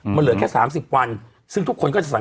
มันเหลือแค่๓๐วัน